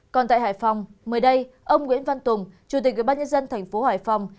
còn tại hải phòng mới đây ông nguyễn văn tùng chủ tịch ủy ban nhân dân thành phố hải phòng